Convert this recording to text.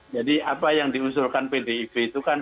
jadi apa yang diusulkan pdiv itu kan